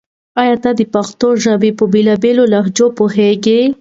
آیا ته د پښتو ژبې په بېلا بېلو لهجو پوهېږې؟